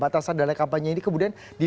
batasan dana kampanye ini kemudian